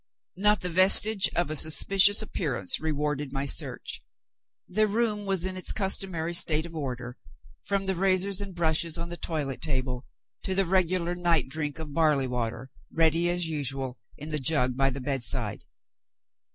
Not the vestige of a suspicious appearance rewarded my search. The room was in its customary state of order, from the razors and brushes on the toilet table to the regular night drink of barley water, ready as usual in the jug by the bedside.